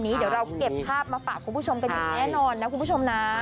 เดี๋ยวเราเก็บภาพมาฝากคุณผู้ชมกันอย่างแน่นอนนะคุณผู้ชมนะ